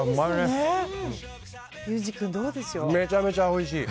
おいしい。